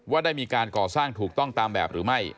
ว่าได้มีการก่อสร้างถูกต้องตามแบบหรือไม่